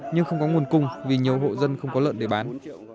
nhưng không có nguồn cung vì nhiều hộ dân không có lợn để bán